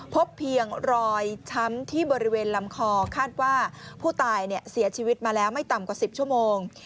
พบเพียงรอยช้ำที่บริเวณลำคอคาดว่าผู้ตายเสียชีวิตมาแล้วไม่ต่ำกว่า๑๐ชั่วโมง